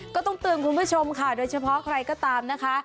ก็ต้องเตือนคุณผู้ชมค่ะโดยเฉพาะใครก็ตามนะคะ